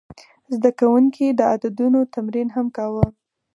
زده کوونکي د عددونو تمرین هم کاوه.